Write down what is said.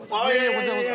こちらこそ。